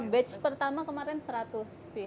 batch pertama kemarin seratus piece gitu